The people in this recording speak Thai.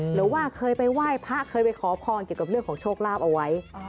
หรือว่าเคยไปไหว้พระเคยไปขอพรเกี่ยวกับเรื่องของโชคลาภเอาไว้